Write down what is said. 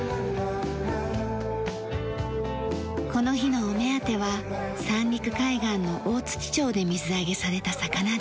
この日のお目当ては三陸海岸の大町で水揚げされた魚です。